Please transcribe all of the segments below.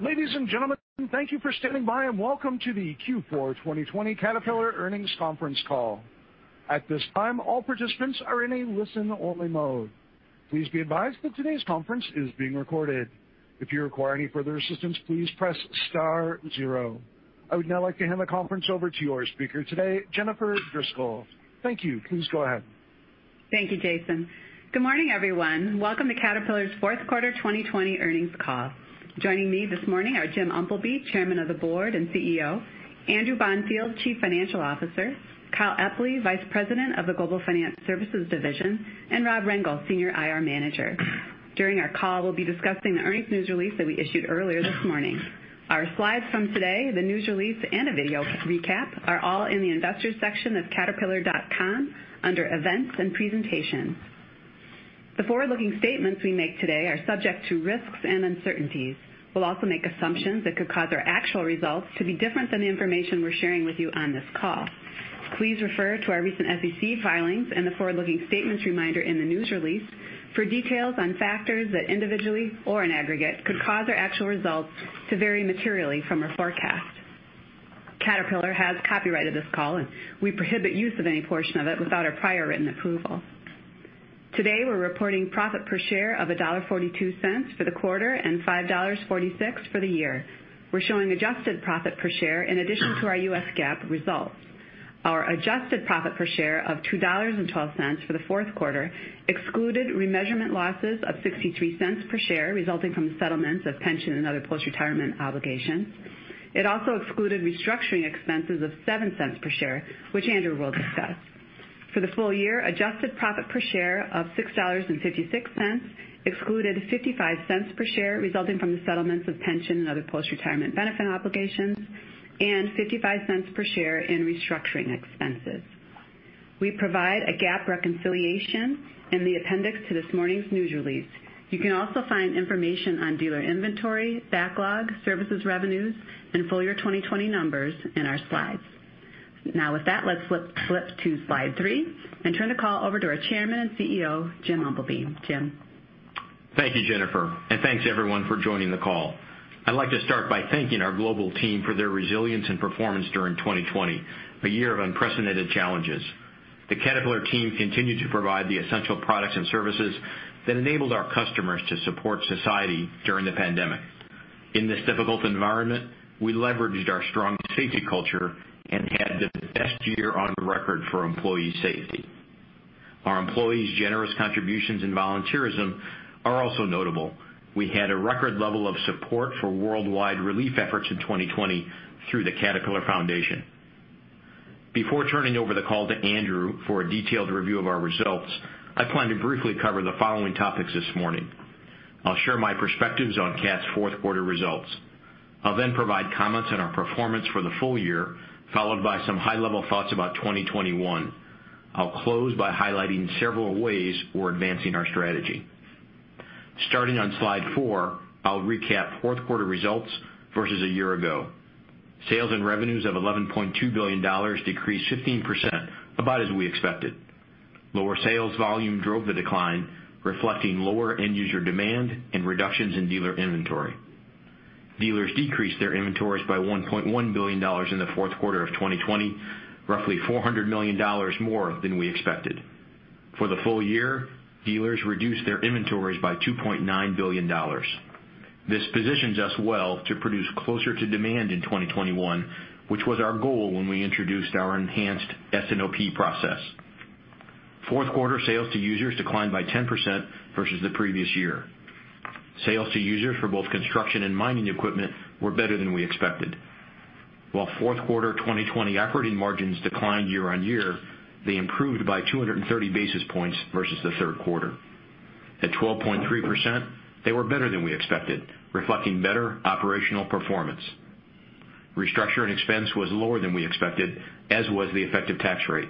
Ladies and gentlemen, thank you for standing by, and welcome to the Q4 2020 Caterpillar Earnings Conference Call. At this time, all participants are in a listen-only mode. Please be advised that today's conference is being recorded. If you require any further assistance, please press star zero. I would now like to hand the conference over to your speaker today, Jennifer Driscoll. Thank you. Please go ahead. Thank you, Jason. Good morning, everyone. Welcome to Caterpillar's fourth quarter 2020 earnings call. Joining me this morning are Jim Umpleby, Chairman of the Board and CEO, Andrew Bonfield, Chief Financial Officer, Kyle Epley, Vice President of the Global Finance Services Division, and Rob Rengel, Senior IR Manager. During our call, we'll be discussing the earnings news release that we issued earlier this morning. Our slides from today, the news release, and a video recap are all in the investors section of caterpillar.com under events and presentations. The forward-looking statements we make today are subject to risks and uncertainties. We'll also make assumptions that could cause our actual results to be different than the information we're sharing with you on this call. Please refer to our recent SEC filings and the forward-looking statements reminder in the news release for details on factors that individually or in aggregate could cause our actual results to vary materially from our forecast. Caterpillar has copyrighted this call, and we prohibit use of any portion of it without our prior written approval. Today, we're reporting profit per share of $1.42 for the quarter and $5.46 for the year. We're showing adjusted profit per share in addition to our US GAAP results. Our adjusted profit per share of $2.12 for the fourth quarter excluded remeasurement losses of $0.63 per share resulting from the settlements of pension and other post-retirement obligations. It also excluded restructuring expenses of $0.07 per share, which Andrew will discuss. For the full year, adjusted profit per share of $6.56 excluded $0.55 per share resulting from the settlements of pension and other post-retirement benefit obligations, and $0.55 per share in restructuring expenses. We provide a GAAP reconciliation in the appendix to this morning's news release. You can also find information on dealer inventory, backlog, services revenues, and full-year 2020 numbers in our slides. Now, with that, let's flip to slide three and turn the call over to our Chairman and CEO, Jim Umpleby. Jim. Thank you, Jennifer. Thanks, everyone, for joining the call. I'd like to start by thanking our global team for their resilience and performance during 2020, a year of unprecedented challenges. The Caterpillar team continued to provide the essential products and services that enabled our customers to support society during the pandemic. In this difficult environment, we leveraged our strong safety culture and had the best year on record for employee safety. Our employees' generous contributions and volunteerism are also notable. We had a record level of support for worldwide relief efforts in 2020 through the Caterpillar Foundation. Before turning over the call to Andrew for a detailed review of our results, I plan to briefly cover the following topics this morning. I'll share my perspectives on CAT's fourth quarter results. I'll then provide comments on our performance for the full year, followed by some high-level thoughts about 2021. I'll close by highlighting several ways we're advancing our strategy. Starting on slide four, I'll recap fourth quarter results versus a year ago. Sales and revenues of $11.2 billion decreased 15%, about as we expected. Lower sales volume drove the decline, reflecting lower end-user demand and reductions in dealer inventory. Dealers decreased their inventories by $1.1 billion in the fourth quarter of 2020, roughly $400 million more than we expected. For the full year, dealers reduced their inventories by $2.9 billion. This positions us well to produce closer to demand in 2021, which was our goal when we introduced our enhanced S&OP process. Fourth quarter sales to users declined by 10% versus the previous year. Sales to users for both construction and mining equipment were better than we expected. While fourth quarter 2020 operating margins declined year-on-year, they improved by 230 basis points versus the third quarter. At 12.3%, they were better than we expected, reflecting better operational performance. Restructuring expense was lower than we expected, as was the effective tax rate.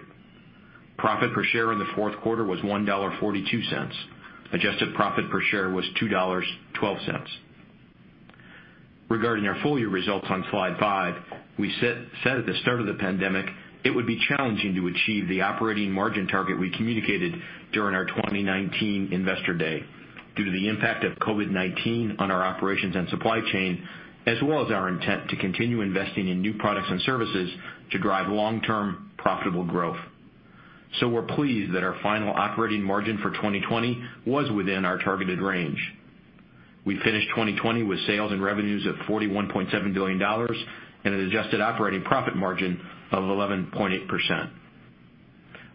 Profit per share in the fourth quarter was $1.42. Adjusted profit per share was $2.12. Regarding our full-year results on slide five, we said at the start of the pandemic it would be challenging to achieve the operating margin target we communicated during our 2019 Investor Day due to the impact of COVID-19 on our operations and supply chain, as well as our intent to continue investing in new products and services to drive long-term profitable growth. We're pleased that our final operating margin for 2020 was within our targeted range. We finished 2020 with sales and revenues of $41.7 billion and an adjusted operating profit margin of 11.8%.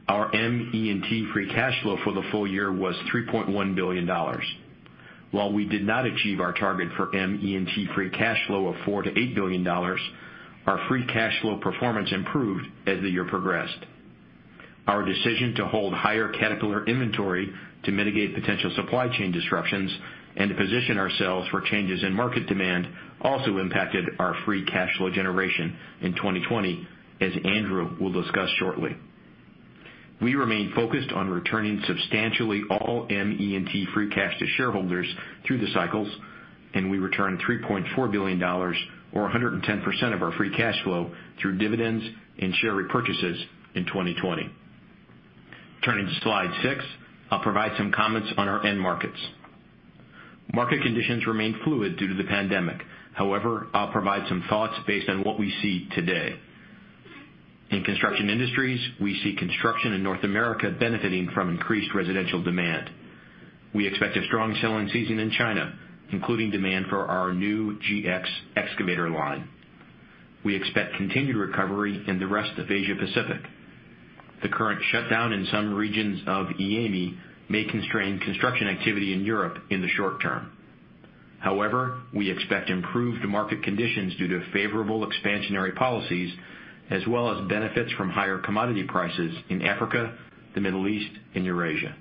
Our ME&T free cash flow for the full year was $3.1 billion. While we did not achieve our target for ME&T free cash flow of $4 billion-$8 billion, our free cash flow performance improved as the year progressed. Our decision to hold higher Caterpillar inventory to mitigate potential supply chain disruptions and to position ourselves for changes in market demand also impacted our free cash flow generation in 2020, as Andrew will discuss shortly. We remain focused on returning substantially all ME&T free cash to shareholders through the cycles. We returned $3.4 billion or 110% of our free cash flow through dividends and share repurchases in 2020. Turning to slide six, I'll provide some comments on our end markets. Market conditions remain fluid due to the pandemic. However, I'll provide some thoughts based on what we see today. In construction industries, we see construction in North America benefiting from increased residential demand. We expect a strong selling season in China, including demand for our new GX excavator line. We expect continued recovery in the rest of Asia Pacific. The current shutdown in some regions of EAME may constrain construction activity in Europe in the short term. However, we expect improved market conditions due to favorable expansionary policies, as well as benefits from higher commodity prices in Africa, the Middle East, and Eurasia.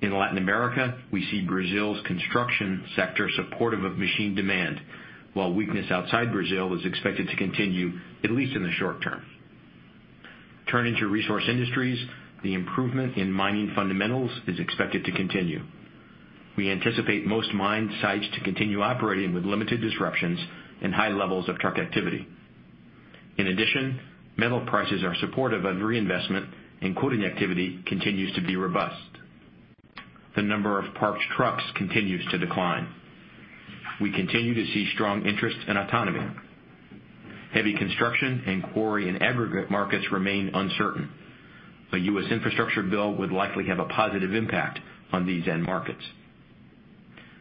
In Latin America, we see Brazil's construction sector supportive of machine demand, while weakness outside Brazil is expected to continue, at least in the short term. Turning to resource industries, the improvement in mining fundamentals is expected to continue. We anticipate most mine sites to continue operating with limited disruptions and high levels of truck activity. In addition, metal prices are supportive of reinvestment, and quoting activity continues to be robust. The number of parked trucks continues to decline. We continue to see strong interest in autonomy. Heavy construction and quarry and aggregate markets remain uncertain. A U.S. infrastructure bill would likely have a positive impact on these end markets.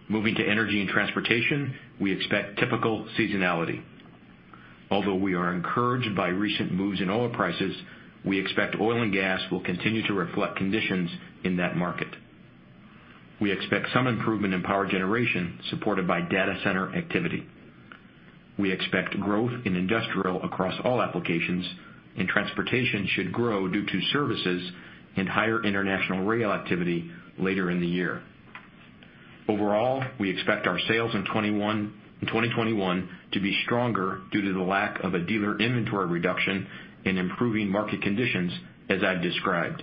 Moving to energy and transportation, we expect typical seasonality. Although we are encouraged by recent moves in oil prices, we expect oil and gas will continue to reflect conditions in that market. We expect some improvement in power generation, supported by data center activity. We expect growth in industrial across all applications, and transportation should grow due to services and higher international rail activity later in the year. Overall, we expect our sales in 2021 to be stronger due to the lack of a dealer inventory reduction and improving market conditions, as I've described.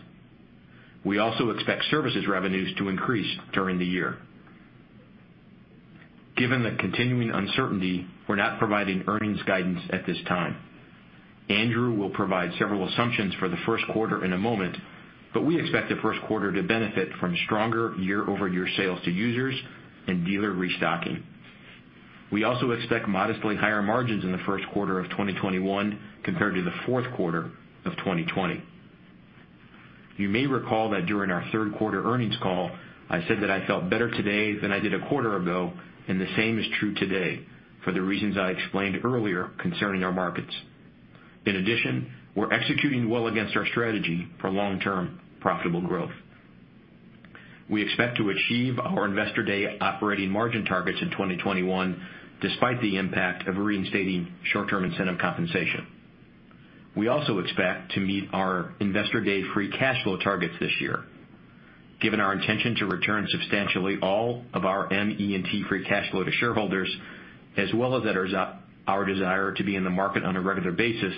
We also expect services revenues to increase during the year. Given the continuing uncertainty, we're not providing earnings guidance at this time. Andrew will provide several assumptions for the first quarter in a moment, but we expect the first quarter to benefit from stronger year-over-year Sales to Users and dealer restocking. We also expect modestly higher margins in the first quarter of 2021 compared to the fourth quarter of 2020. You may recall that during our third quarter earnings call, I said that I felt better today than I did a quarter ago, and the same is true today for the reasons I explained earlier concerning our markets. In addition, we're executing well against our strategy for long-term profitable growth. We expect to achieve our Investor Day operating margin targets in 2021, despite the impact of reinstating short-term incentive compensation. We also expect to meet our Investor Day free cash flow targets this year. Given our intention to return substantially all of our ME&T free cash flow to shareholders, as well as our desire to be in the market on a regular basis,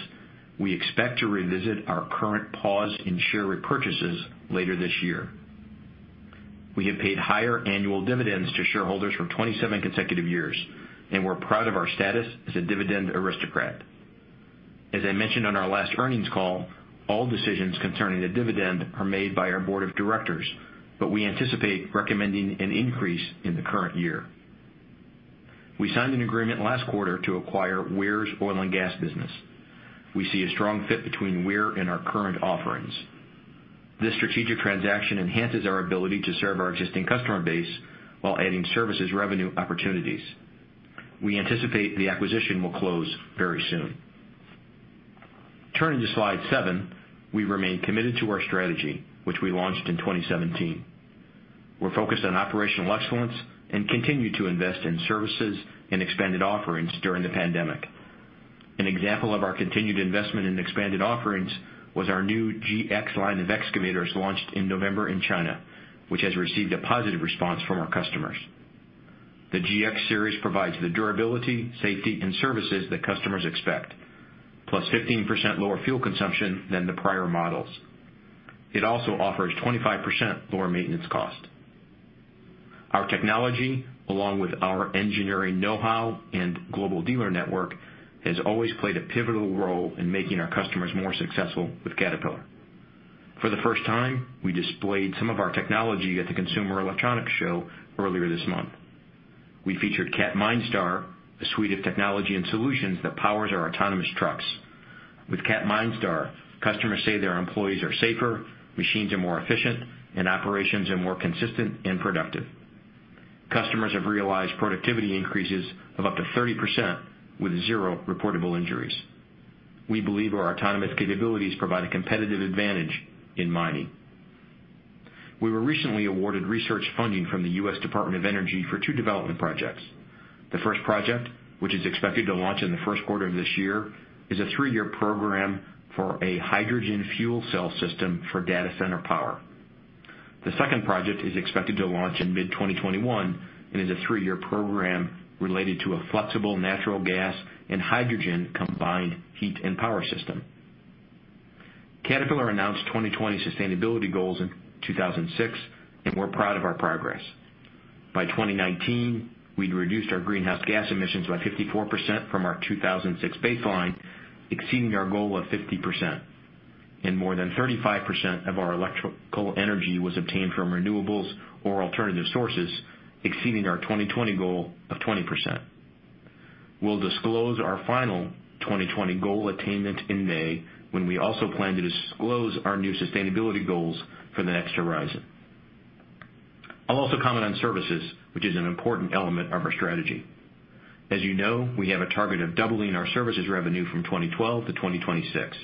we expect to revisit our current pause in share repurchases later this year. We have paid higher annual dividends to shareholders for 27 consecutive years, and we're proud of our status as a Dividend Aristocrat. As I mentioned on our last earnings call, all decisions concerning the dividend are made by our board of directors, but we anticipate recommending an increase in the current year. We signed an agreement last quarter to acquire Weir's oil and gas business. We see a strong fit between Weir and our current offerings. This strategic transaction enhances our ability to serve our existing customer base while adding services revenue opportunities. We anticipate the acquisition will close very soon. Turning to slide seven, we remain committed to our strategy, which we launched in 2017. We're focused on operational excellence and continue to invest in services and expanded offerings during the pandemic. An example of our continued investment in expanded offerings was our new GX line of excavators launched in November in China, which has received a positive response from our customers. The GX series provides the durability, safety, and services that customers expect, plus 15% lower fuel consumption than the prior models. It also offers 25% lower maintenance cost. Our technology, along with our engineering knowhow and global dealer network, has always played a pivotal role in making our customers more successful with Caterpillar. For the first time, we displayed some of our technology at the Consumer Electronics Show earlier this month. We featured Cat MineStar, a suite of technology and solutions that powers our autonomous trucks. With Cat MineStar, customers say their employees are safer, machines are more efficient, and operations are more consistent and productive. Customers have realized productivity increases of up to 30% with zero reportable injuries. We believe our autonomous capabilities provide a competitive advantage in mining. We were recently awarded research funding from the U.S. Department of Energy for two development projects. The first project, which is expected to launch in the first quarter of this year, is a three-year program for a hydrogen fuel cell system for data center power. The second project is expected to launch in mid-2021 and is a three-year program related to a flexible natural gas and hydrogen combined heat and power system. Caterpillar announced 2020 sustainability goals in 2006, and we're proud of our progress. By 2019, we'd reduced our greenhouse gas emissions by 54% from our 2006 baseline, exceeding our goal of 50%. More than 35% of our electrical energy was obtained from renewables or alternative sources, exceeding our 2020 goal of 20%. We'll disclose our final 2020 goal attainment in May, when we also plan to disclose our new sustainability goals for the next horizon. I'll also comment on services, which is an important element of our strategy. As you know, we have a target of doubling our services revenue from 2012 to 2026.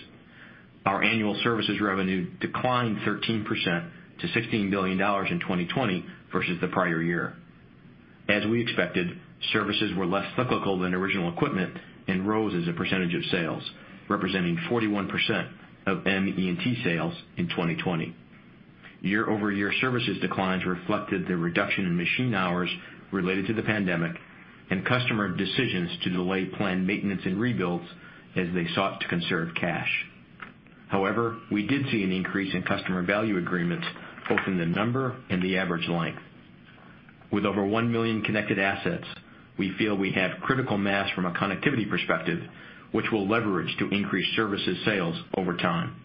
Our annual services revenue declined 13% to $16 billion in 2020 versus the prior year. As we expected, services were less cyclical than original equipment and rose as a percentage of sales, representing 41% of ME&T sales in 2020. Year-over-year services declines reflected the reduction in machine hours related to the pandemic and customer decisions to delay planned maintenance and rebuilds as they sought to conserve cash. However, we did see an increase in customer value agreements, both in the number and the average length. With over 1 million connected assets, we feel we have critical mass from a connectivity perspective, which we'll leverage to increase services sales over time.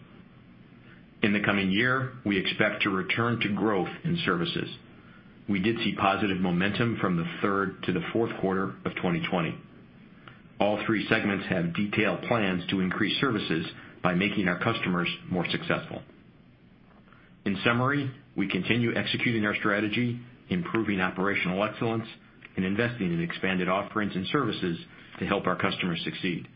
In the coming year, we expect to return to growth in services. We did see positive momentum from the third to the fourth quarter of 2020. All three segments have detailed plans to increase services by making our customers more successful. In summary, we continue executing our strategy, improving operational excellence, and investing in expanded offerings and services to help our customers succeed.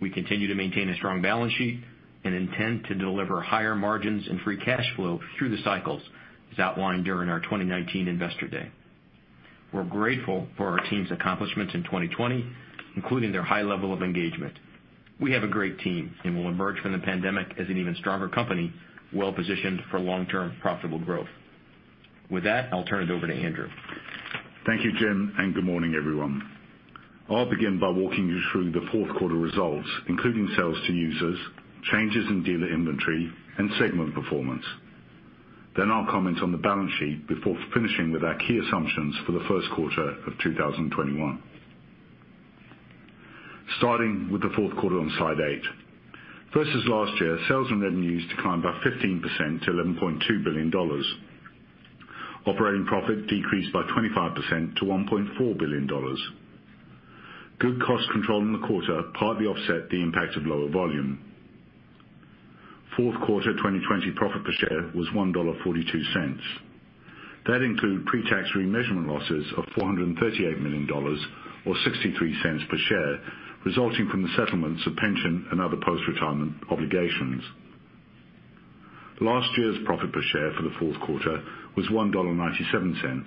We continue to maintain a strong balance sheet and intend to deliver higher margins and free cash flow through the cycles, as outlined during our 2019 Investor Day. We're grateful for our team's accomplishments in 2020, including their high level of engagement. We have a great team, and we'll emerge from the pandemic as an even stronger company, well-positioned for long-term profitable growth. With that, I'll turn it over to Andrew. Thank you, Jim. Good morning, everyone. I'll begin by walking you through the fourth quarter results, including Sales to Users, changes in dealer inventory, and segment performance. I'll comment on the balance sheet before finishing with our key assumptions for the first quarter of 2021. Starting with the fourth quarter on slide eight. Versus last year, sales and revenues declined by 15% to $11.2 billion. Operating profit decreased by 25% to $1.4 billion. Good cost control in the quarter partly offset the impact of lower volume. Fourth quarter 2020 profit per share was $1.42. That include pre-tax remeasurement losses of $438 million or $0.63 per share, resulting from the settlements of pension and other post-retirement obligations. Last year's profit per share for the fourth quarter was $1.97.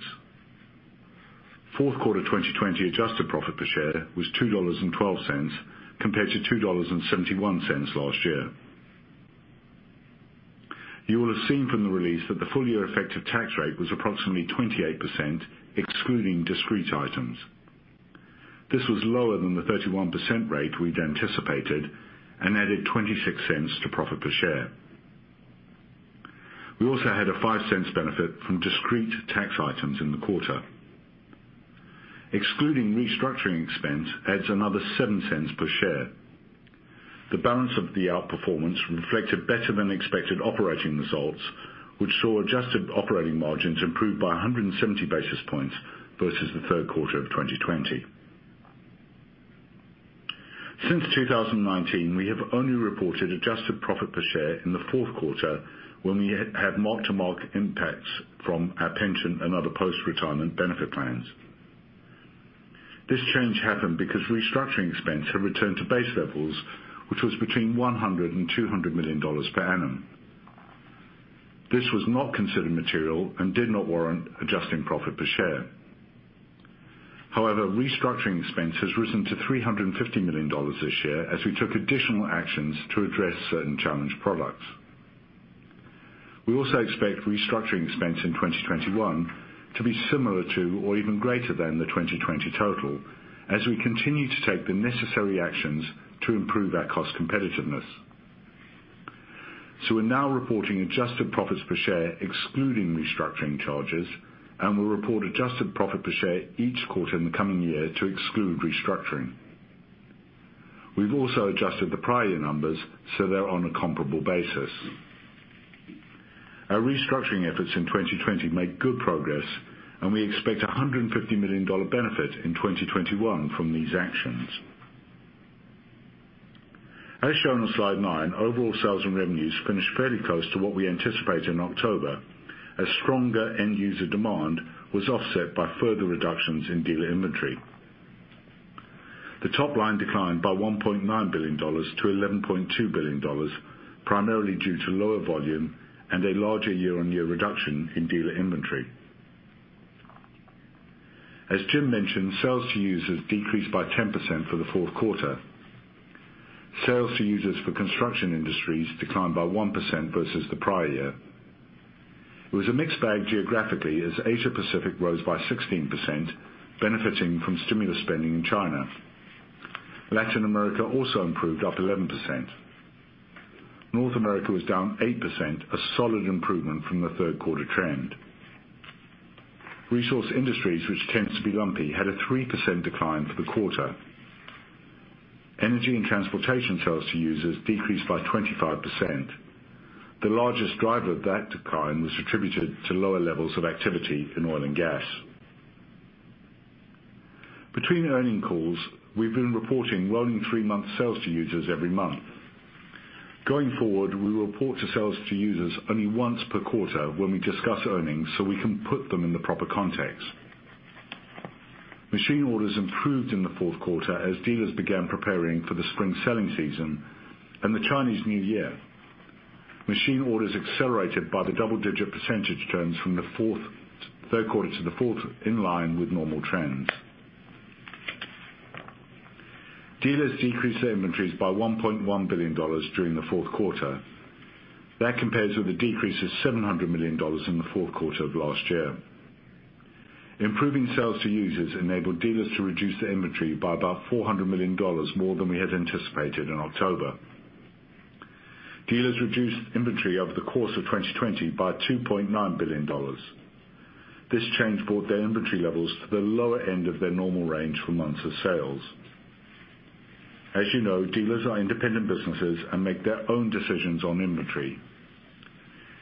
Fourth quarter 2020 adjusted profit per share was $2.12 compared to $2.71 last year. You will have seen from the release that the full year effective tax rate was approximately 28%, excluding discrete items. This was lower than the 31% rate we'd anticipated and added $0.26 to profit per share. We also had a $0.05 benefit from discrete tax items in the quarter. Excluding restructuring expense adds another $0.07 per share. The balance of the outperformance reflected better-than-expected operating results, which saw adjusted operating margins improve by 170 basis points versus the third quarter of 2020. Since 2019, we have only reported adjusted profit per share in the fourth quarter when we have mark-to-market impacts from our pension and other post-retirement benefit plans. This change happened because restructuring expense had returned to base levels, which was between $100 million-$200 million per annum. This was not considered material and did not warrant adjusting profit per share. However, restructuring expense has risen to $350 million this year as we took additional actions to address certain challenged products. We also expect restructuring expense in 2021 to be similar to or even greater than the 2020 total as we continue to take the necessary actions to improve our cost competitiveness. We're now reporting adjusted profits per share excluding restructuring charges, and we'll report adjusted profit per share each quarter in the coming year to exclude restructuring. We've also adjusted the prior year numbers so they're on a comparable basis. Our restructuring efforts in 2020 made good progress, and we expect $150 million benefit in 2021 from these actions. As shown on slide nine, overall sales and revenues finished fairly close to what we anticipated in October, as stronger end-user demand was offset by further reductions in dealer inventory. The top line declined by $1.9 billion to $11.2 billion, primarily due to lower volume and a larger year-on-year reduction in dealer inventory. As Jim mentioned, Sales to Users decreased by 10% for the fourth quarter. Sales to Users for Construction Industries declined by 1% versus the prior year. It was a mixed bag geographically, as Asia Pacific rose by 16%, benefiting from stimulus spending in China. Latin America also improved up 11%. North America was down 8%, a solid improvement from the third quarter trend. Resource Industries, which tends to be lumpy, had a 3% decline for the quarter. Energy and Transportation Sales to Users decreased by 25%. The largest driver of that decline was attributed to lower levels of activity in oil and gas. Between earning calls, we've been reporting rolling three-month Sales to Users every month. Going forward, we will report to Sales to Users only once per quarter when we discuss earnings so we can put them in the proper context. Machine orders improved in the fourth quarter as dealers began preparing for the spring selling season and the Chinese New Year. Machine orders accelerated by the double-digit percentage terms from the third quarter to the fourth, in line with normal trends. Dealers decreased their inventories by $1.1 billion during the fourth quarter. That compares with a decrease of $700 million in the fourth quarter of last year. Improving Sales to Users enabled dealers to reduce their inventory by about $400 million more than we had anticipated in October. Dealers reduced inventory over the course of 2020 by $2.9 billion. This change brought their inventory levels to the lower end of their normal range for months of sales. As you know, dealers are independent businesses and make their own decisions on inventory.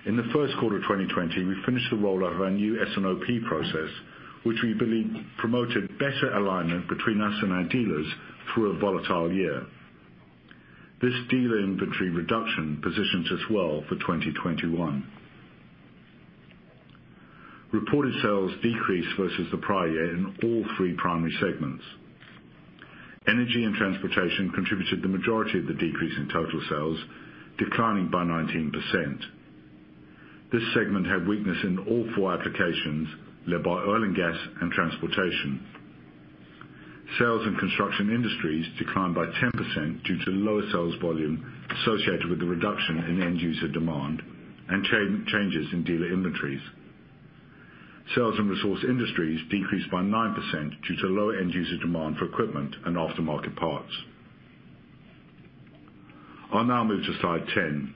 In the first quarter of 2020, we finished the rollout of our new S&OP process, which we believe promoted better alignment between us and our dealers through a volatile year. This dealer inventory reduction positions us well for 2021. Reported sales decreased versus the prior year in all three primary segments. Energy and Transportation contributed the majority of the decrease in total sales, declining by 19%. This segment had weakness in all four applications, led by oil and gas and transportation. Sales in Construction Industries declined by 10% due to lower sales volume associated with the reduction in end-user demand and changes in dealer inventories. Sales in Resource Industries decreased by 9% due to lower end-user demand for equipment and aftermarket parts. I'll now move to slide 10.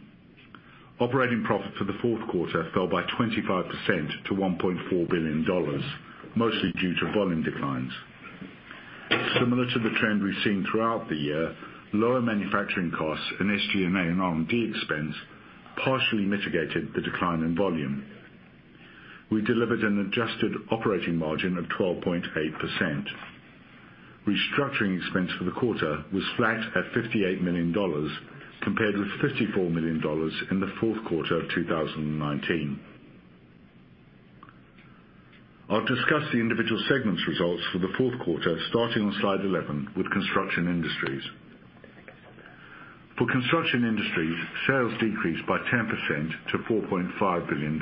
Operating profit for the fourth quarter fell by 25% to $1.4 billion, mostly due to volume declines. Similar to the trend we've seen throughout the year, lower manufacturing costs and SG&A and R&D expense partially mitigated the decline in volume. We delivered an adjusted operating margin of 12.8%. Restructuring expense for the quarter was flat at $58 million, compared with $54 million in the fourth quarter of 2019. I'll discuss the individual segments results for the fourth quarter, starting on slide 11 with Construction Industries. For Construction Industries, sales decreased by 10% to $4.5 billion.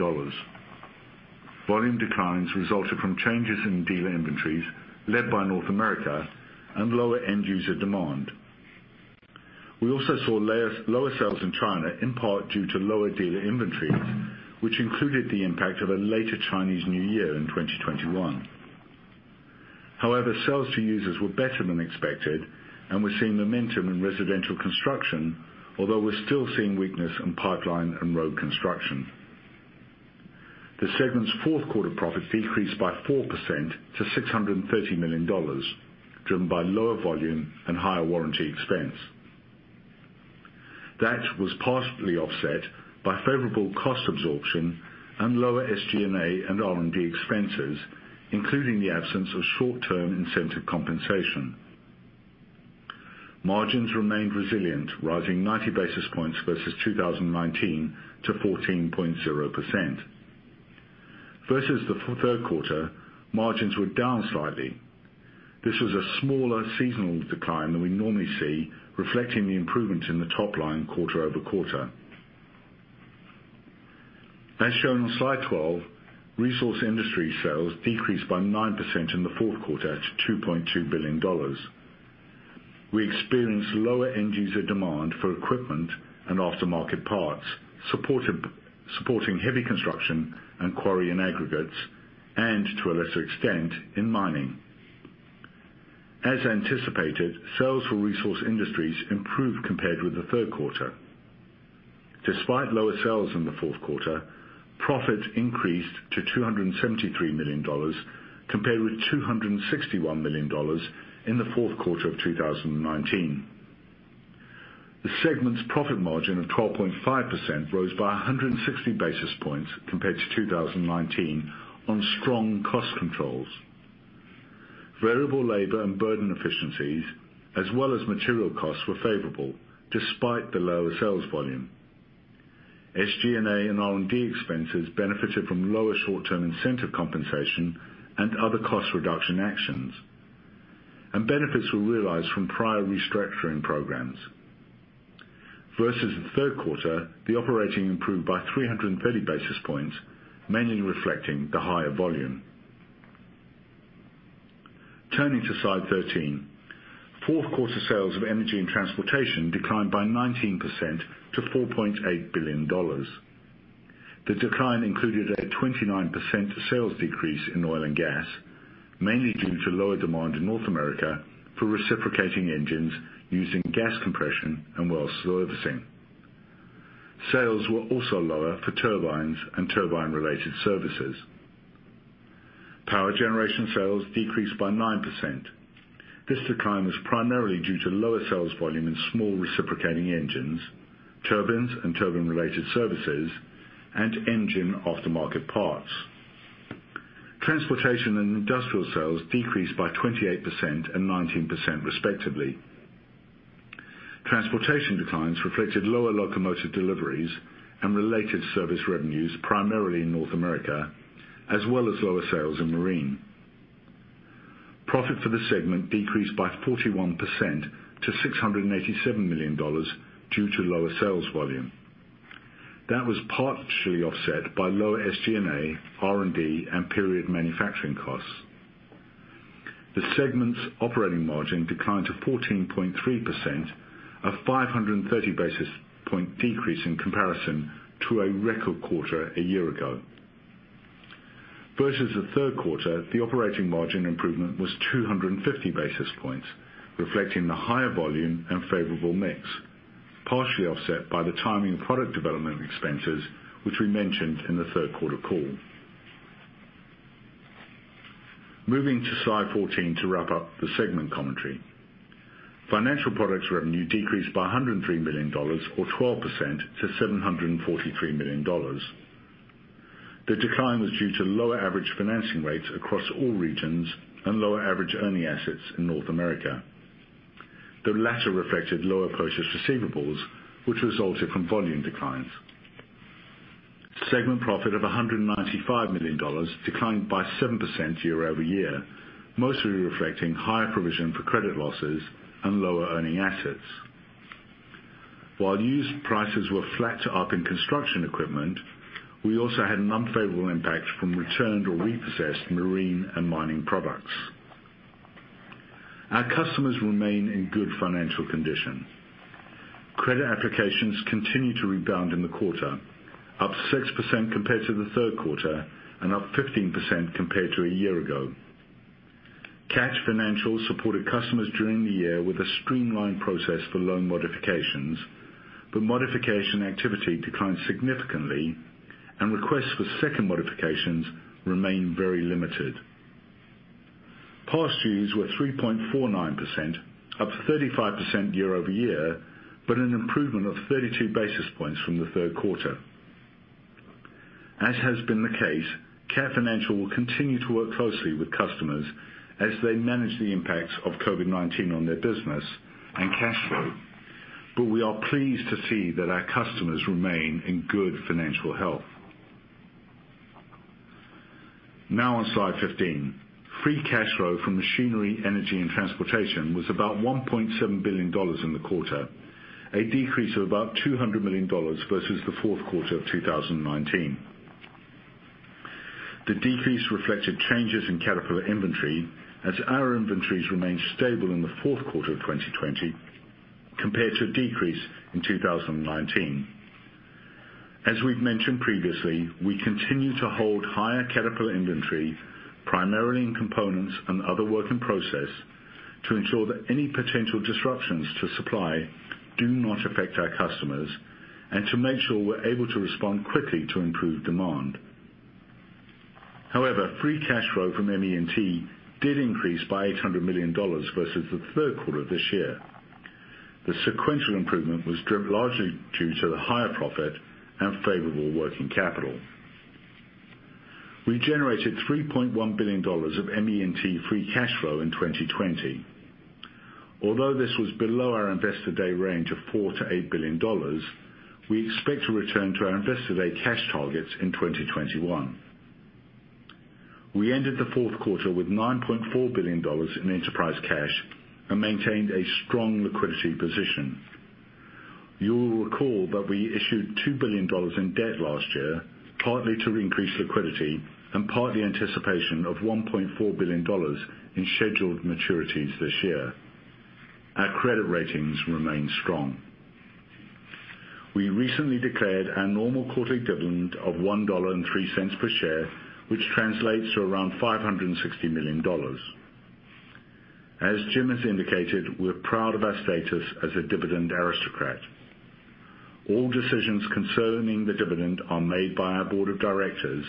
Volume declines resulted from changes in dealer inventories, led by North America, and lower end-user demand. We also saw lower sales in China, in part due to lower dealer inventories, which included the impact of a later Chinese New Year in 2021. However, Sales to Users were better than expected, and we're seeing momentum in residential construction, although we're still seeing weakness in pipeline and road construction. The segment's fourth quarter profit decreased by 4% to $630 million, driven by lower volume and higher warranty expense. That was partially offset by favorable cost absorption and lower SG&A and R&D expenses, including the absence of short-term incentive compensation. Margins remained resilient, rising 90 basis points versus 2019 to 14.0%. Versus the third quarter, margins were down slightly. This was a smaller seasonal decline than we normally see, reflecting the improvement in the top line quarter-over-quarter. As shown on slide 12, Resource Industry sales decreased by 9% in the fourth quarter to $2.2 billion. We experienced lower end-user demand for equipment and aftermarket parts, supporting heavy construction and quarry and aggregates, and to a lesser extent, in mining. As anticipated, sales for Resource Industries improved compared with the third quarter. Despite lower sales in the fourth quarter, profits increased to $273 million, compared with $261 million in the fourth quarter of 2019. The segment's profit margin of 12.5% rose by 160 basis points compared to 2019 on strong cost controls. Variable labor and burden efficiencies as well as material costs were favorable despite the lower sales volume. SG&A and R&D expenses benefited from lower short-term incentive compensation and other cost reduction actions. Benefits were realized from prior restructuring programs. Versus the third quarter, the operating improved by 330 basis points, mainly reflecting the higher volume. Turning to slide 13. Fourth quarter sales of Energy and Transportation declined by 19% to $4.8 billion. The decline included a 29% sales decrease in oil and gas, mainly due to lower demand in North America for reciprocating engines using gas compression and well servicing. Sales were also lower for turbines and turbine-related services. Power generation sales decreased by 9%. This decline was primarily due to lower sales volume in small reciprocating engines, turbines and turbine-related services, and engine aftermarket parts. Transportation and industrial sales decreased by 28% and 19%, respectively. Transportation declines reflected lower locomotive deliveries and related service revenues, primarily in North America, as well as lower sales in marine. Profit for the segment decreased by 41% to $687 million due to lower sales volume. That was partially offset by lower SG&A, R&D, and period manufacturing costs. The segment's operating margin declined to 14.3%, a 530 basis point decrease in comparison to a record quarter a year ago. Versus the third quarter, the operating margin improvement was 250 basis points, reflecting the higher volume and favorable mix, partially offset by the timing of product development expenses, which we mentioned in the third quarter call. Moving to slide 14 to wrap up the segment commentary. Financial products revenue decreased by $103 million, or 12%, to $743 million. The decline was due to lower average financing rates across all regions and lower average earning assets in North America. The latter reflected lower purchase receivables, which resulted from volume declines. Segment profit of $195 million declined by 7% year-over-year, mostly reflecting higher provision for credit losses and lower earning assets. While used prices were flat to up in construction equipment, we also had an unfavorable impact from returned or repossessed marine and mining products. Our customers remain in good financial condition. Credit applications continued to rebound in the quarter, up 6% compared to the third quarter and up 15% compared to a year ago. Cat Financial supported customers during the year with a streamlined process for loan modifications, modification activity declined significantly, and requests for second modifications remain very limited. Past dues were 3.49%, up 35% year-over-year, but an improvement of 32 basis points from the third quarter. As has been the case, Cat Financial will continue to work closely with customers as they manage the impacts of COVID-19 on their business and cash flow. We are pleased to see that our customers remain in good financial health. Now on slide 15. Free cash flow from machinery, energy, and transportation was about $1.7 billion in the quarter, a decrease of about $200 million versus the fourth quarter of 2019. The decrease reflected changes in Caterpillar inventory as our inventories remained stable in the fourth quarter of 2020 compared to a decrease in 2019. As we've mentioned previously, we continue to hold higher Caterpillar inventory, primarily in components and other work in process, to ensure that any potential disruptions to supply do not affect our customers and to make sure we're able to respond quickly to improved demand. Free cash flow from ME&T did increase by $800 million versus the third quarter of this year. The sequential improvement was largely due to the higher profit and favorable working capital. We generated $3.1 billion of ME&T free cash flow in 2020. Although this was below our Investor Day range of $4 billion-$8 billion, we expect to return to our Investor Day cash targets in 2021. We ended the fourth quarter with $9.4 billion in enterprise cash and maintained a strong liquidity position. You will recall that we issued $2 billion in debt last year, partly to increase liquidity and partly anticipation of $1.4 billion in scheduled maturities this year. Our credit ratings remain strong. We recently declared our normal quarterly dividend of $1.03 per share, which translates to around $560 million. As Jim has indicated, we're proud of our status as a Dividend Aristocrat. All decisions concerning the dividend are made by our board of directors,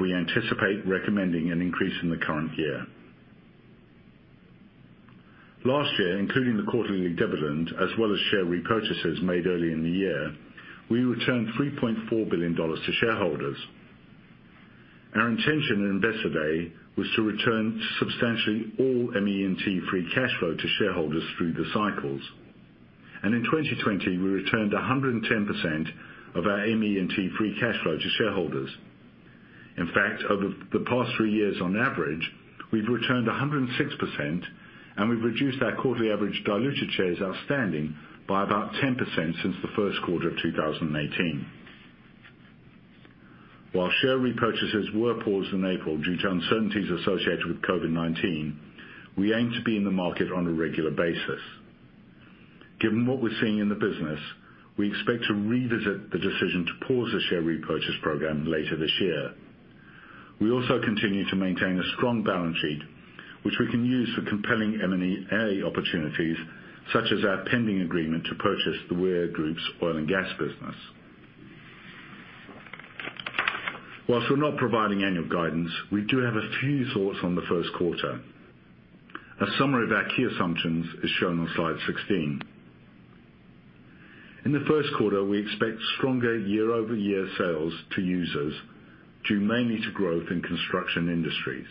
we anticipate recommending an increase in the current year. Last year, including the quarterly dividend as well as share repurchases made early in the year, we returned $3.4 billion to shareholders. Our intention at Investor Day was to return substantially all ME&T free cash flow to shareholders through the cycles. In 2020, we returned 110% of our ME&T free cash flow to shareholders. In fact, over the past three years on average, we've returned 106%, and we've reduced our quarterly average diluted shares outstanding by about 10% since the first quarter of 2018. While share repurchases were paused in April due to uncertainties associated with COVID-19, we aim to be in the market on a regular basis. Given what we're seeing in the business, we expect to revisit the decision to pause the share repurchase program later this year. We also continue to maintain a strong balance sheet, which we can use for compelling M&A opportunities, such as our pending agreement to purchase the Weir Group's oil and gas business. Whilst we're not providing annual guidance, we do have a few thoughts on the first quarter. A summary of our key assumptions is shown on slide 16. In the first quarter, we expect stronger year-over-year Sales to Users, due mainly to growth in Construction Industries.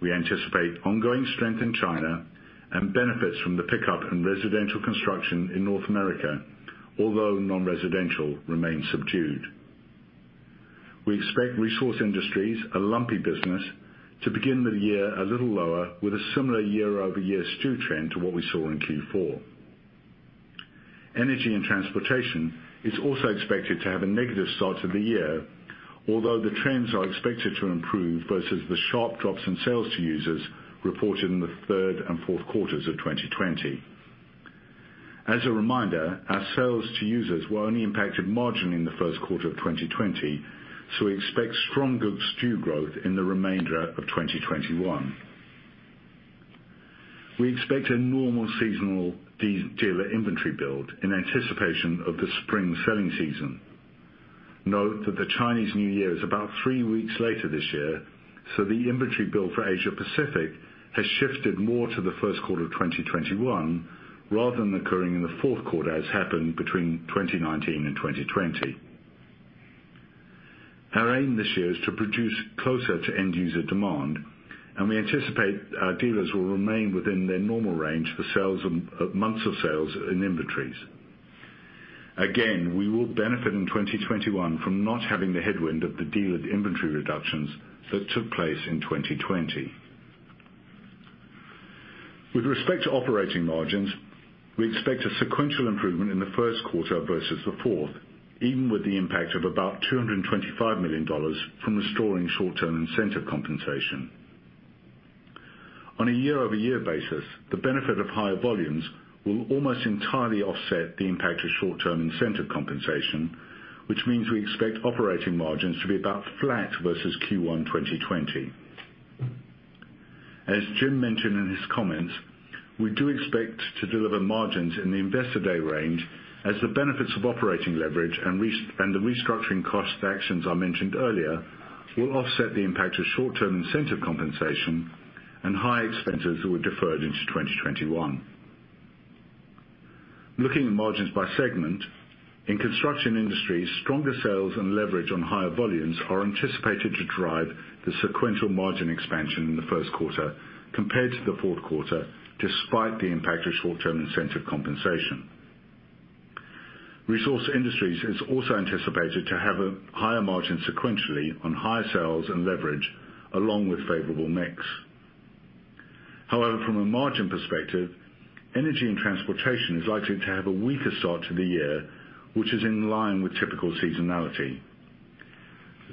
We anticipate ongoing strength in China and benefits from the pickup in residential construction in North America, although non-residential remains subdued. We expect Resource Industries, a lumpy business, to begin the year a little lower with a similar year-over-year STU trend to what we saw in Q4. Energy and Transportation is also expected to have a negative start to the year, although the trends are expected to improve versus the sharp drops in Sales to Users reported in the third and fourth quarters of 2020. As a reminder, our Sales to Users were only impacted marginally in the first quarter of 2020, so we expect stronger STU growth in the remainder of 2021. We expect a normal seasonal dealer inventory build in anticipation of the spring selling season. Note that the Chinese New Year is about three weeks later this year, so the inventory build for Asia Pacific has shifted more to the first quarter of 2021 rather than occurring in the fourth quarter as happened between 2019 and 2020. Our aim this year is to produce closer to end user demand, and we anticipate our dealers will remain within their normal range for months of sales and inventories. Again, we will benefit in 2021 from not having the headwind of the dealer inventory reductions that took place in 2020. With respect to operating margins, we expect a sequential improvement in the first quarter versus the fourth, even with the impact of about $225 million from restoring short-term incentive compensation. On a year-over-year basis, the benefit of higher volumes will almost entirely offset the impact of short-term incentive compensation, which means we expect operating margins to be about flat versus Q1 2020. As Jim mentioned in his comments, we do expect to deliver margins in the Investor Day range as the benefits of operating leverage and the restructuring cost actions I mentioned earlier will offset the impact of short-term incentive compensation and high expenses that were deferred into 2021. Looking at margins by segment, in construction industries, stronger sales and leverage on higher volumes are anticipated to drive the sequential margin expansion in the first quarter compared to the fourth quarter, despite the impact of short-term incentive compensation. Resource Industries is also anticipated to have a higher margin sequentially on higher sales and leverage along with favorable mix. However, from a margin perspective, Energy and Transportation is likely to have a weaker start to the year, which is in line with typical seasonality.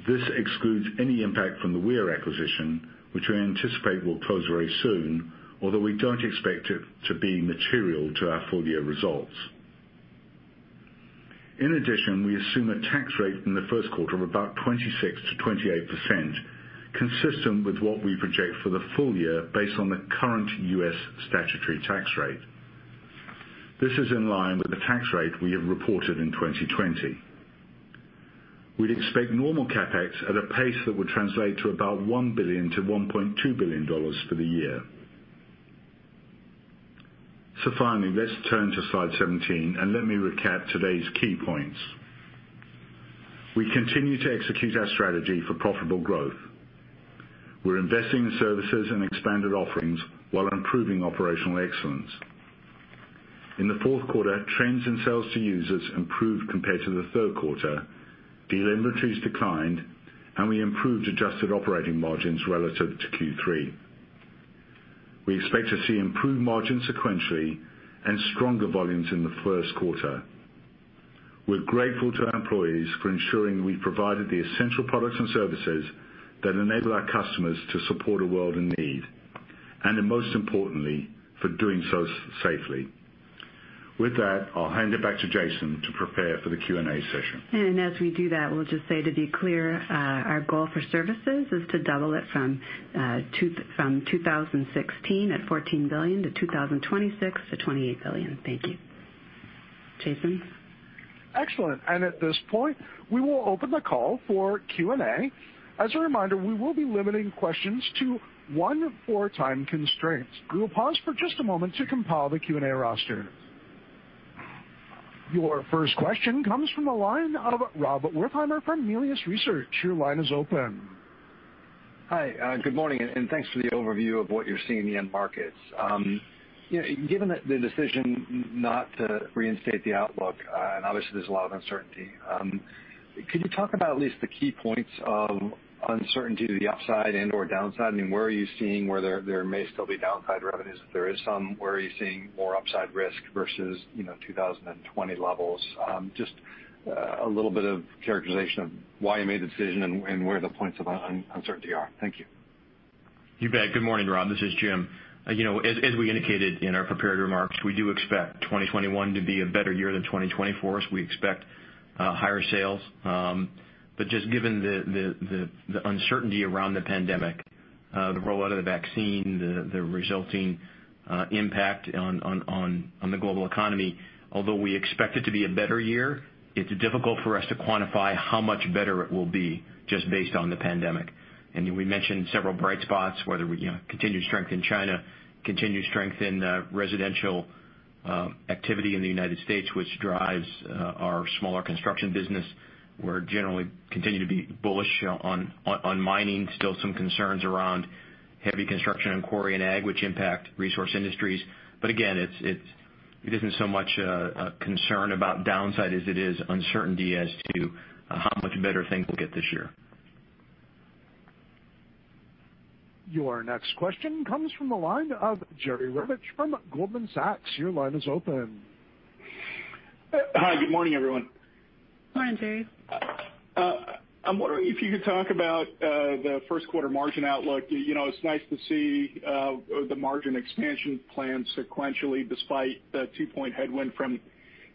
This excludes any impact from the Weir acquisition, which we anticipate will close very soon, although we don't expect it to be material to our full-year results. In addition, we assume a tax rate in the first quarter of about 26%-28%, consistent with what we project for the full year based on the current U.S. statutory tax rate. This is in line with the tax rate we have reported in 2020. We'd expect normal CapEx at a pace that would translate to about $1 billion to $1.2 billion for the year. Finally, let's turn to slide 17, and let me recap today's key points. We continue to execute our strategy for profitable growth. We're investing in services and expanded offerings while improving operational excellence. In the fourth quarter, trends in Sales to Users improved compared to the third quarter. Dealer inventories declined, and we improved adjusted operating margins relative to Q3. We expect to see improved margins sequentially and stronger volumes in the first quarter. We're grateful to our employees for ensuring we provided the essential products and services that enable our customers to support a world in need, and then most importantly, for doing so safely. With that, I'll hand it back to Jason to prepare for the Q&A session. As we do that, we'll just say to be clear, our goal for services is to double it from 2016 at $14 billion to 2026 to $28 billion. Thank you. Jason? Excellent. At this point, we will open the call for Q&A. As a reminder, we will be limiting questions to one for time constraints. We will pause for just a moment to compile the Q&A roster. Your first question comes from the line of Rob Wertheimer from Melius Research. Your line is open. Hi, good morning. Thanks for the overview of what you're seeing in the end markets. Given the decision not to reinstate the outlook, and obviously there's a lot of uncertainty, could you talk about at least the key points of uncertainty to the upside and/or downside? I mean, where are you seeing where there may still be downside revenues, if there is some? Where are you seeing more upside risk versus 2020 levels? Just a little bit of characterization of why you made the decision and where the points of uncertainty are. Thank you. You bet. Good morning, Rob. This is Jim. As we indicated in our prepared remarks, we do expect 2021 to be a better year than 2020 for us. We expect higher sales. Just given the uncertainty around the pandemic, the rollout of the vaccine, the resulting impact on the global economy, although we expect it to be a better year, it's difficult for us to quantify how much better it will be just based on the pandemic. We mentioned several bright spots, whether we continued strength in China, continued strength in residential activity in the United States, which drives our smaller construction business. We generally continue to be bullish on mining. Still some concerns around heavy construction and quarry and ag, which impact resource industries. Again, it isn't so much a concern about downside as it is uncertainty as to how much better things will get this year. Your next question comes from the line of Jerry Revich from Goldman Sachs. Your line is open. Hi. Good morning, everyone. Morning, Jerry. I'm wondering if you could talk about the first quarter margin outlook. It's nice to see the margin expansion plan sequentially, despite the two-point headwind from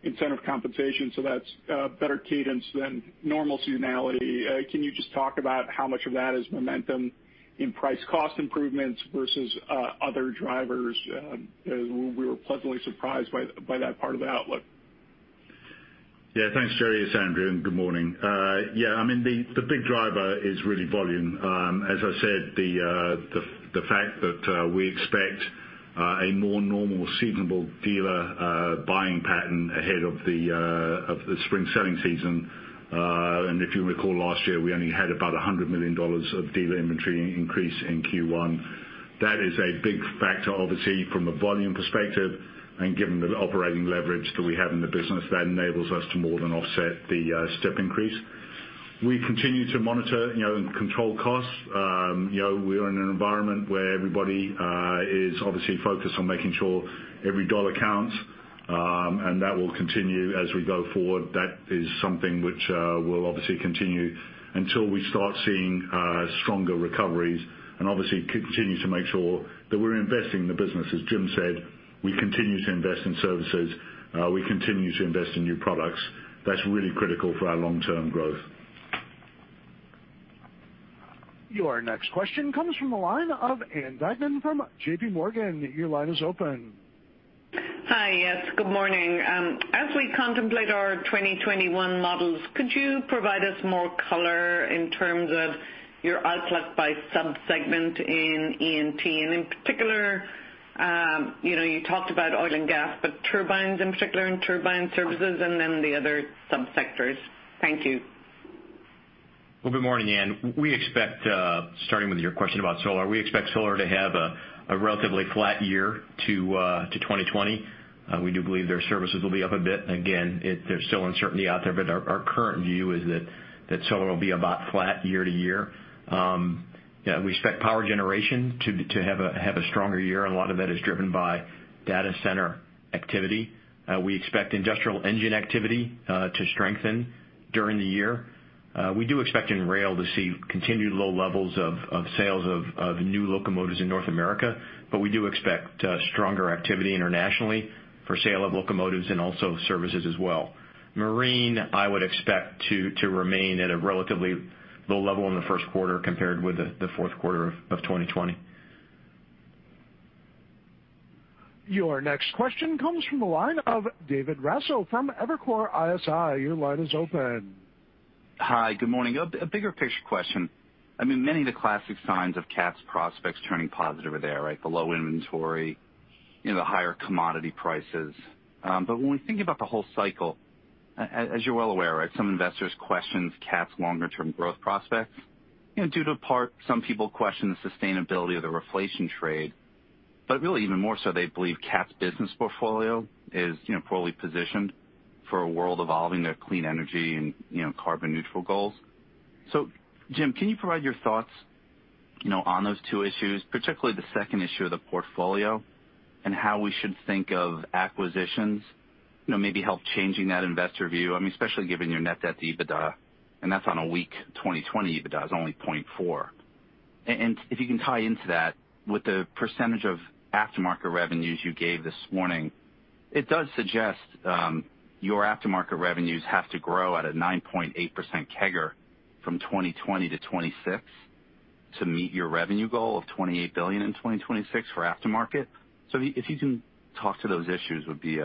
incentive compensation, so that's better cadence than normal seasonality. Can you just talk about how much of that is momentum in price cost improvements versus other drivers? We were pleasantly surprised by that part of the outlook. Yeah, thanks, Jerry. It's Andrew. Good morning. Yeah, the big driver is really volume. As I said, the fact that we expect a more normal seasonable dealer buying pattern ahead of the spring selling season. If you recall, last year, we only had about $100 million of dealer inventory increase in Q1. That is a big factor, obviously, from a volume perspective. Given the operating leverage that we have in the business, that enables us to more than offset the step increase. We continue to monitor and control costs. We are in an environment where everybody is obviously focused on making sure every dollar counts, and that will continue as we go forward. That is something which will obviously continue until we start seeing stronger recoveries and obviously continue to make sure that we're investing in the business. As Jim said, we continue to invest in services. We continue to invest in new products. That's really critical for our long-term growth. Your next question comes from the line of Ann Duignan from JPMorgan. Your line is open. Hi. Yes, good morning. As we contemplate our 2021 models, could you provide us more color in terms of your outlook by sub-segment in E&T? In particular, you talked about oil and gas, but turbines in particular and turbine services and then the other sub-sectors. Thank you. Well, good morning, Ann. Starting with your question about Solar, we expect Solar to have a relatively flat year to 2020. We do believe their services will be up a bit. Again, there's still uncertainty out there. Our current view is that Solar will be about flat year to year. We expect power generation to have a stronger year. A lot of that is driven by data center activity. We expect industrial engine activity to strengthen during the year. We do expect in rail to see continued low levels of sales of new locomotives in North America. We do expect stronger activity internationally for sale of locomotives and also services as well. Marine, I would expect to remain at a relatively low level in the first quarter compared with the fourth quarter of 2020. Your next question comes from the line of David Raso from Evercore ISI. Your line is open. Hi. Good morning. A bigger picture question. Many of the classic signs of CAT's prospects turning positive are there, right? The low inventory, the higher commodity prices. When we think about the whole cycle, as you're well aware, some investors question CAT's longer-term growth prospects. Due to part, some people question the sustainability of the reflation trade. Really even more so, they believe CAT's business portfolio is poorly positioned for a world evolving to clean energy and carbon neutral goals. Jim, can you provide your thoughts on those two issues, particularly the second issue of the portfolio, and how we should think of acquisitions? Maybe help changing that investor view, especially given your net debt to EBITDA, and that's on a weak 2020 EBITDA is only 0.4. If you can tie into that with the percentage of aftermarket revenues you gave this morning, it does suggest your aftermarket revenues have to grow at a 9.8% CAGR from 2020 to 2026 to meet your revenue goal of $28 billion in 2026 for aftermarket. If you can talk to those issues would be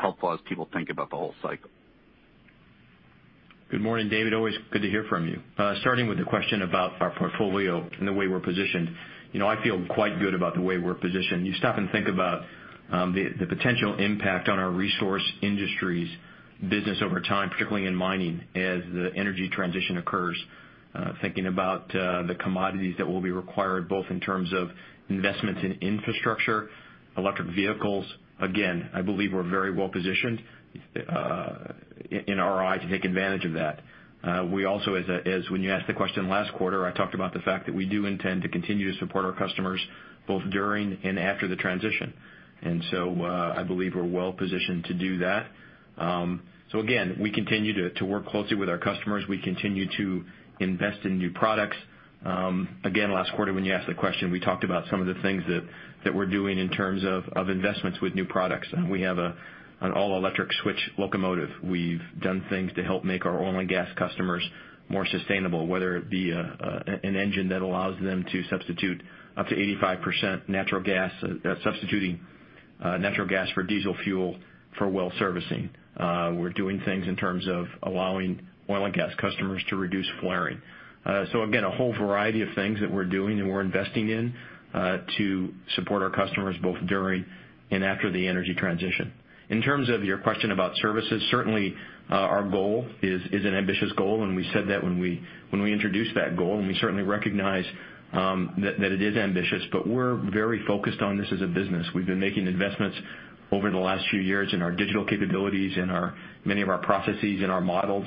helpful as people think about the whole cycle. Good morning, David. Always good to hear from you. Starting with the question about our portfolio and the way we're positioned. I feel quite good about the way we're positioned. You stop and think about the potential impact on our Resource Industries business over time, particularly in mining as the energy transition occurs. Thinking about the commodities that will be required both in terms of investments in infrastructure, electric vehicles. Again, I believe we're very well positioned in our RI to take advantage of that. We also, as when you asked the question last quarter, I talked about the fact that we do intend to continue to support our customers both during and after the transition. I believe we're well-positioned to do that. Again, we continue to work closely with our customers. We continue to invest in new products. Again, last quarter when you asked the question, we talked about some of the things that we're doing in terms of investments with new products. We have an all-electric switch locomotive. We've done things to help make our oil and gas customers more sustainable, whether it be an engine that allows them to substitute up to 85% natural gas, substituting natural gas for diesel fuel for well servicing. We're doing things in terms of allowing oil and gas customers to reduce flaring. Again, a whole variety of things that we're doing and we're investing in to support our customers both during and after the energy transition. In terms of your question about services, certainly our goal is an ambitious goal, and we said that when we introduced that goal, and we certainly recognize that it is ambitious, but we're very focused on this as a business. We've been making investments over the last few years in our digital capabilities, in many of our processes, in our models,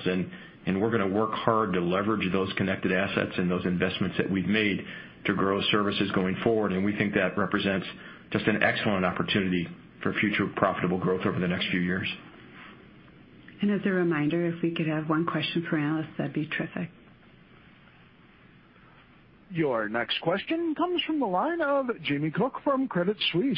we're going to work hard to leverage those connected assets and those investments that we've made to grow services going forward. We think that represents just an excellent opportunity for future profitable growth over the next few years. As a reminder, if we could have one question per analyst, that'd be terrific. Your next question comes from the line of Jamie Cook from Credit Suisse.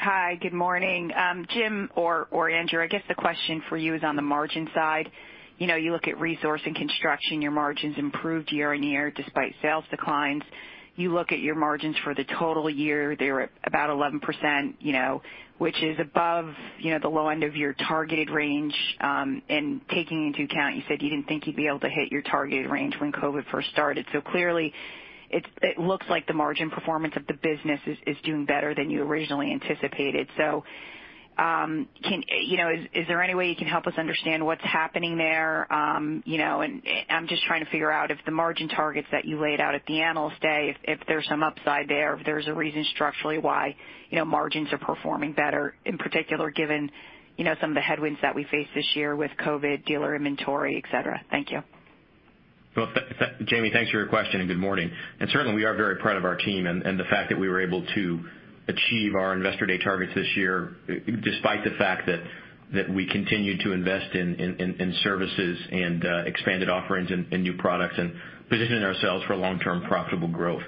Hi, good morning. Jim or Andrew, I guess the question for you is on the margin side. You look at Resource and Construction, your margins improved year-on-year despite sales declines. You look at your margins for the total year, they were at about 11%, which is above the low end of your targeted range. Taking into account you said you didn't think you'd be able to hit your targeted range when COVID first started. Clearly it looks like the margin performance of the business is doing better than you originally anticipated. Is there any way you can help us understand what's happening there? I'm just trying to figure out if the margin targets that you laid out at the Analyst Day, if there's some upside there, if there's a reason structurally why margins are performing better, in particular given some of the headwinds that we faced this year with COVID, dealer inventory, et cetera. Thank you. Well Jamie, thanks for your question and good morning. Certainly we are very proud of our team and the fact that we were able to achieve our Investor Day targets this year despite the fact that we continued to invest in services and expanded offerings and new products and positioning ourselves for long-term profitable growth.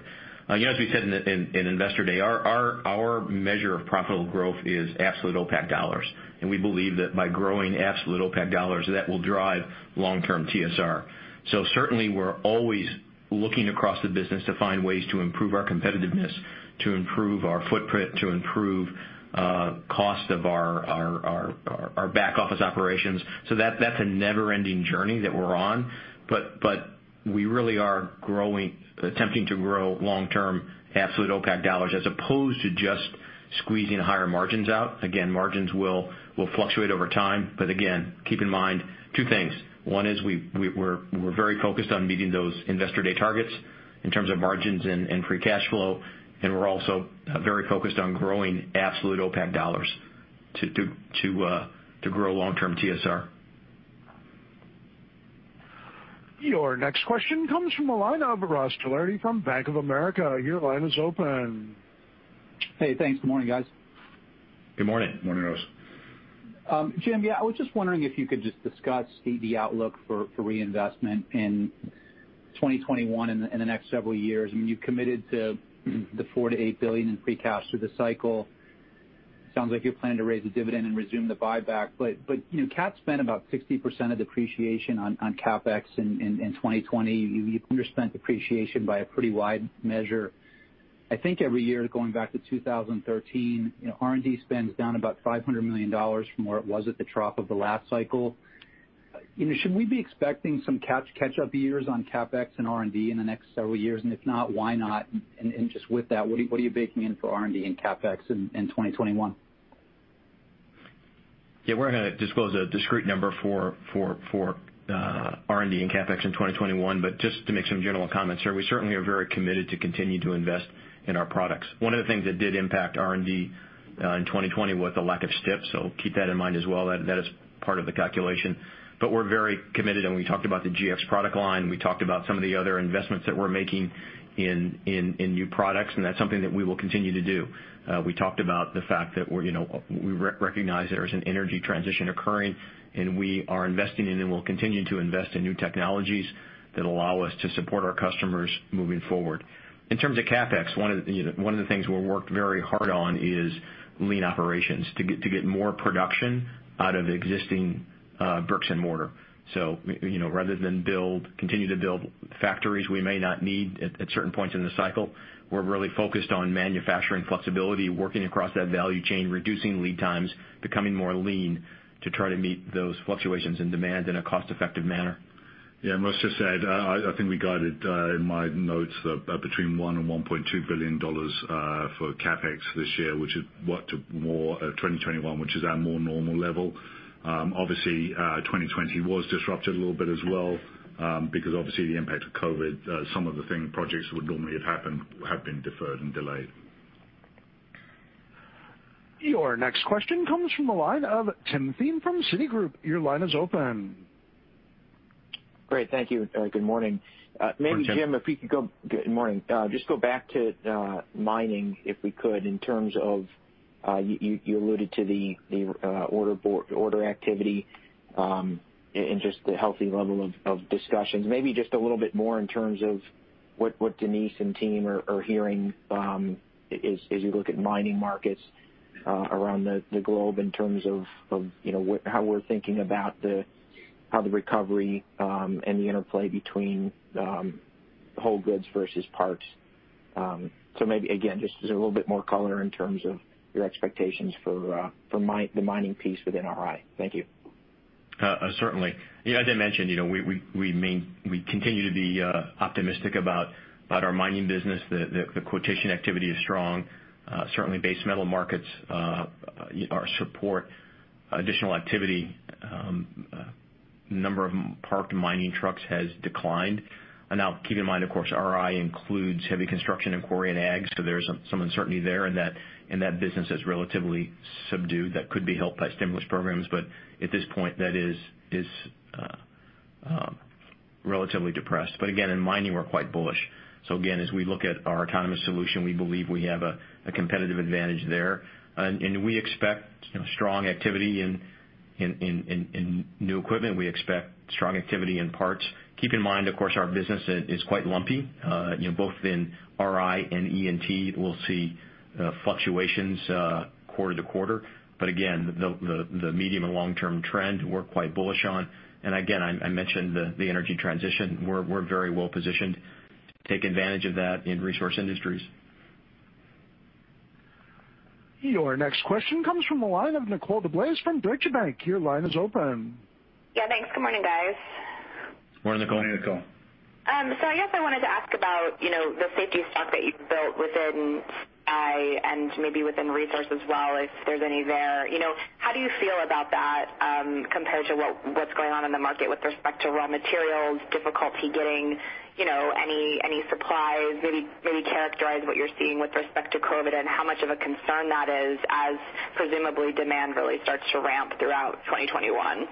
As we said in Investor Day, our measure of profitable growth is absolute OPACC dollars, and we believe that by growing absolute OPACC dollars that will drive long-term TSR. Certainly we're always looking across the business to find ways to improve our competitiveness, to improve our footprint, to improve cost of our back-office operations. That's a never-ending journey that we're on. We really are attempting to grow long-term absolute OPACC dollars as opposed to just squeezing higher margins out. Margins will fluctuate over time, again, keep in mind two things. One is we're very focused on meeting those Investor Day targets in terms of margins and free cash flow, we're also very focused on growing absolute OPACC dollars to grow long-term TSR. Your next question comes from the line of Ross Gilardi from Bank of America. Your line is open. Hey, thanks. Good morning, guys. Good morning. Morning, Ross. Jim, I was just wondering if you could just discuss the outlook for reinvestment in 2021 and the next several years. You've committed to the $4 billion-$8 billion in free cash through the cycle. Sounds like you're planning to raise the dividend and resume the buyback. Cat spent about 60% of depreciation on CapEx in 2020. You underspent depreciation by a pretty wide measure. I think every year going back to 2013, R&D spend is down about $500 million from where it was at the trough of the last cycle. Should we be expecting some catch-up years on CapEx and R&D in the next several years? If not, why not? Just with that, what are you baking in for R&D and CapEx in 2021? Yeah, we're not going to disclose a discrete number for R&D and CapEx in 2021, just to make some general comments here, we certainly are very committed to continue to invest in our products. One of the things that did impact R&D in 2020 was the lack of STIP, keep that in mind as well. That is part of the calculation. We're very committed, and we talked about the GX product line. We talked about some of the other investments that we're making in new products, that's something that we will continue to do. We talked about the fact that we recognize there is an energy transition occurring, we are investing in and will continue to invest in new technologies that allow us to support our customers moving forward. In terms of CapEx, one of the things we've worked very hard on is lean operations to get more production out of existing bricks and mortar. Rather than continue to build factories we may not need at certain points in the cycle, we're really focused on manufacturing flexibility, working across that value chain, reducing lead times, becoming more lean to try to meet those fluctuations in demand in a cost-effective manner. Ross just to add, I think we guided in my notes between $1 and $1.2 billion for CapEx this year, which is 2021, which is our more normal level. 2020 was disrupted a little bit as well because obviously the impact of COVID, some of the projects that would normally have happened have been deferred and delayed. Your next question comes from the line of Tim Thein from Citigroup. Your line is open. Great. Thank you. Good morning. Morning. Maybe Jim, good morning. Just go back to mining, if we could, in terms of, you alluded to the order activity, and just the healthy level of discussions. Maybe just a little bit more in terms of what Denise and team are hearing as you look at mining markets around the globe in terms of how we're thinking about how the recovery and the interplay between whole goods versus parts. Maybe, again, just as a little bit more color in terms of your expectations for the mining piece within RI. Thank you. Certainly. As I mentioned, we continue to be optimistic about our mining business. The quotation activity is strong. Certainly base metal markets are support additional activity. Number of parked mining trucks has declined. Now, keep in mind, of course, RI includes heavy construction and quarry and ag, so there's some uncertainty there, and that business is relatively subdued. That could be helped by stimulus programs, but at this point, that is relatively depressed. Again, in mining, we're quite bullish. Again, as we look at our autonomous solution, we believe we have a competitive advantage there. We expect strong activity in new equipment. We expect strong activity in parts. Keep in mind, of course, our business is quite lumpy both in RI and E&T, we'll see fluctuations quarter to quarter. Again, the medium and long-term trend, we're quite bullish on. Again, I mentioned the energy transition. We're very well-positioned to take advantage of that in resource industries. Your next question comes from the line of Nicole DeBlase from Deutsche Bank. Your line is open. Yeah, thanks. Good morning, guys. Morning, Nicole. Morning, Nicole. I guess I wanted to ask about the safety stock that you've built within RI and maybe within Resource as well, if there's any there. How do you feel about that compared to what's going on in the market with respect to raw materials, difficulty getting any supplies? Maybe characterize what you're seeing with respect to COVID and how much of a concern that is as presumably demand really starts to ramp throughout 2021.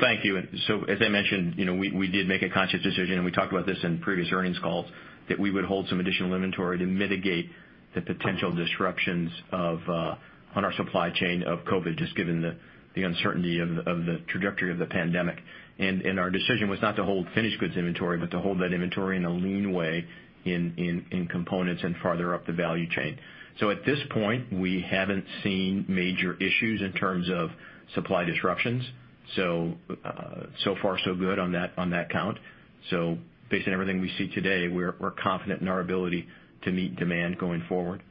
Thank you. As I mentioned, we did make a conscious decision, and we talked about this in previous earnings calls, that we would hold some additional inventory to mitigate the potential disruptions on our supply chain of COVID, just given the uncertainty of the trajectory of the pandemic. Our decision was not to hold finished goods inventory, but to hold that inventory in a lean way in components and farther up the value chain. At this point, we haven't seen major issues in terms of supply disruptions. So far so good on that count. Based on everything we see today, we're confident in our ability to meet demand going forward.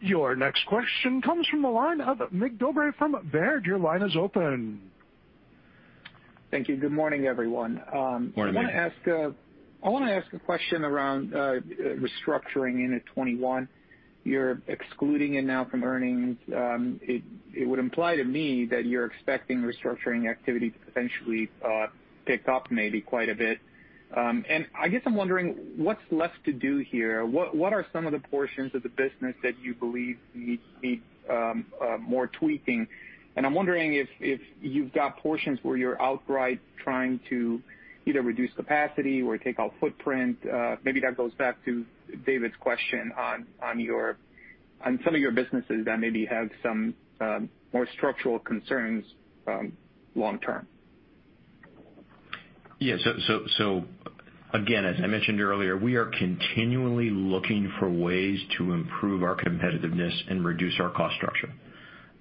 Your next question comes from the line of Mircea Dobre from Baird. Your line is open. Thank you. Good morning, everyone. Morning, Mircea. I want to ask a question around restructuring into 2021. You're excluding it now from earnings. It would imply to me that you're expecting restructuring activity to potentially pick up maybe quite a bit. I guess I'm wondering what's left to do here? What are some of the portions of the business that you believe need more tweaking? I'm wondering if you've got portions where you're outright trying to either reduce capacity or take out footprint. That goes back to David's question on some of your businesses that maybe have some more structural concerns long term. Again, as I mentioned earlier, we are continually looking for ways to improve our competitiveness and reduce our cost structure.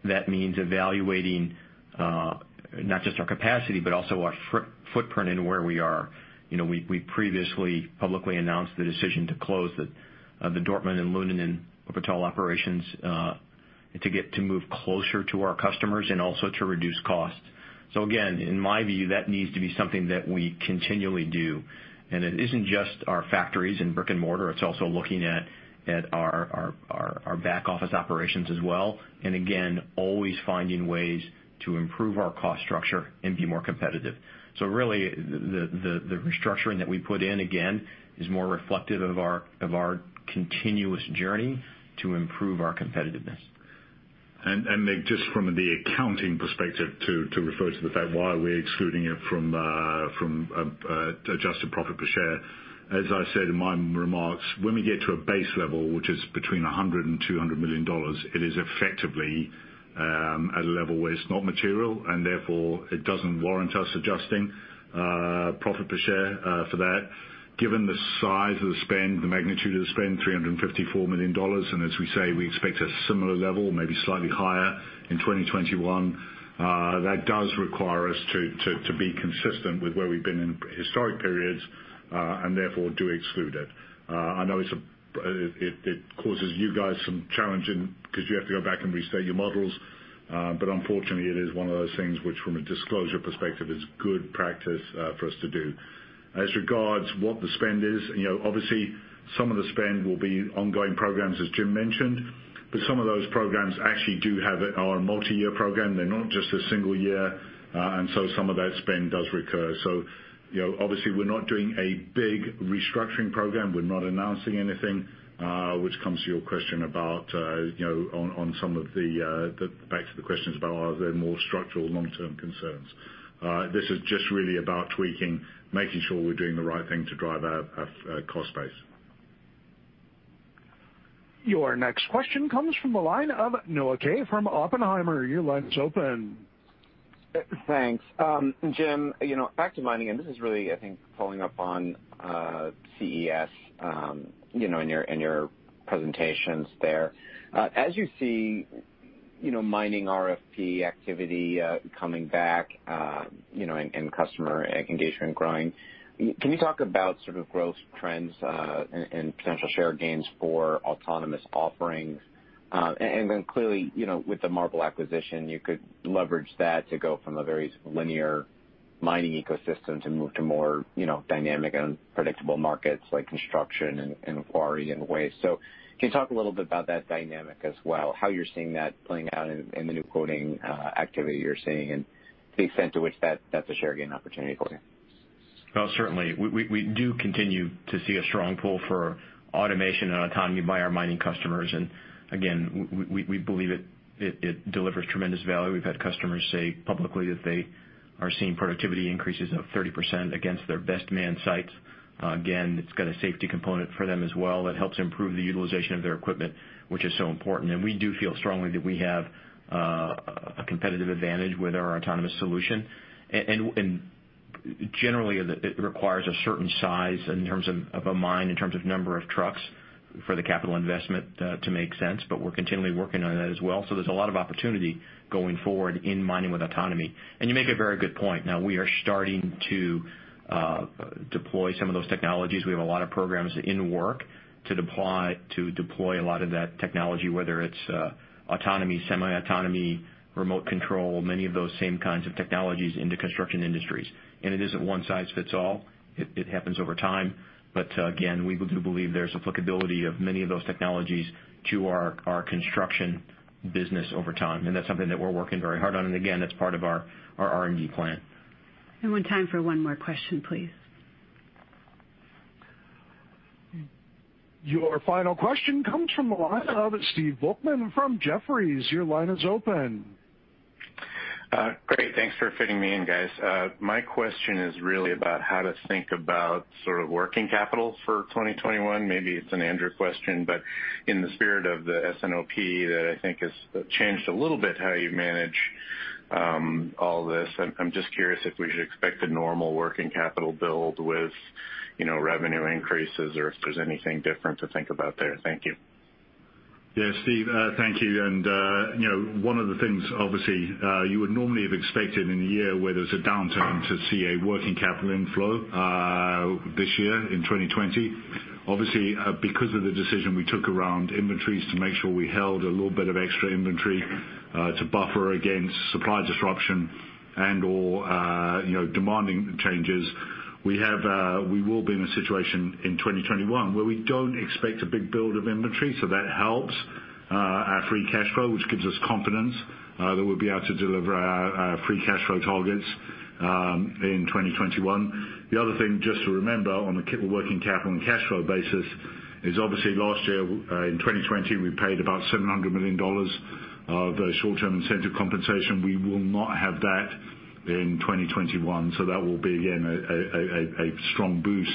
That means evaluating not just our capacity, but also our footprint and where we are. We previously publicly announced the decision to close the Dortmund and Luenen and Wuppertal operations to move closer to our customers and also to reduce costs. Again, in my view, that needs to be something that we continually do. It isn't just our factories and brick and mortar, it's also looking at our back office operations as well. Again, always finding ways to improve our cost structure and be more competitive. Really, the restructuring that we put in, again, is more reflective of our continuous journey to improve our competitiveness. Mircea, just from the accounting perspective, to refer to the fact why we're excluding it from adjusted profit per share. As I said in my remarks, when we get to a base level, which is between $100 million and $200 million, it is effectively at a level where it's not material, and therefore, it doesn't warrant us adjusting profit per share for that. Given the size of the spend, the magnitude of the spend, $354 million, and as we say, we expect a similar level, maybe slightly higher in 2021. That does require us to be consistent with where we've been in historic periods, and therefore, do exclude it. I know it causes you guys some challenge because you have to go back and restate your models. Unfortunately, it is one of those things which from a disclosure perspective, is good practice for us to do. As regards what the spend is, obviously. Some of the spend will be ongoing programs, as Jim mentioned. Some of those programs actually are a multi-year program. They're not just a single year. Some of that spend does recur. Obviously we're not doing a big restructuring program. We're not announcing anything, which comes to the questions about are there more structural long-term concerns? This is just really about tweaking, making sure we're doing the right thing to drive our cost base. Your next question comes from the line of Noah Kaye from Oppenheimer. Your line is open. Thanks. Jim, back to mining, this is really, I think, following up on CES, in your presentations there. As you see mining RFP activity coming back, customer engagement growing, can you talk about sort of growth trends, and potential share gains for autonomous offerings? Clearly, with the Marble acquisition, you could leverage that to go from a very linear mining ecosystem to move to more dynamic and predictable markets like construction and quarry and waste. Can you talk a little bit about that dynamic as well, how you're seeing that playing out in the new quoting activity you're seeing, and the extent to which that's a share gain opportunity for you? Well, certainly. We do continue to see a strong pull for automation and autonomy by our mining customers. Again, we believe it delivers tremendous value. We've had customers say publicly that they are seeing productivity increases of 30% against their best manned sites. Again, it's got a safety component for them as well that helps improve the utilization of their equipment, which is so important. We do feel strongly that we have a competitive advantage with our autonomous solution. Generally, it requires a certain size in terms of a mine, in terms of number of trucks for the capital investment to make sense, but we're continually working on that as well. There's a lot of opportunity going forward in mining with autonomy. You make a very good point. Now, we are starting to deploy some of those technologies. We have a lot of programs in work to deploy a lot of that technology, whether it's autonomy, semi-autonomy, remote control, many of those same kinds of technologies into construction industries. It isn't one size fits all. It happens over time. Again, we do believe there's applicability of many of those technologies to our construction business over time. That's something that we're working very hard on. Again, that's part of our R&D plan. We have time for one more question, please. Your final question comes from the line of Steve Volkmann from Jefferies. Your line is open. Great. Thanks for fitting me in, guys. My question is really about how to think about sort of working capital for 2021. Maybe it's an Andrew question, but in the spirit of the S&OP that I think has changed a little bit how you manage all this. I'm just curious if we should expect a normal working capital build with revenue increases or if there's anything different to think about there. Thank you. Yeah, Steve, thank you. One of the things, obviously, you would normally have expected in a year where there's a downturn to see a working capital inflow this year in 2020. Obviously, because of the decision we took around inventories to make sure we held a little bit of extra inventory to buffer against supply disruption and/or demanding changes. We will be in a situation in 2021 where we don't expect a big build of inventory, so that helps our free cash flow, which gives us confidence that we'll be able to deliver our free cash flow targets in 2021. The other thing just to remember on the working capital and cash flow basis is obviously last year, in 2020, we paid about $700 million of short-term incentive compensation. We will not have that in 2021. That will be, again, a strong boost